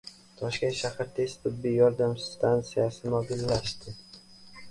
Toshkent shahar tez tibbiy yordam stansiyasi mobillashdi